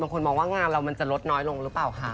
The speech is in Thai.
คนมองว่างานเรามันจะลดน้อยลงหรือเปล่าคะ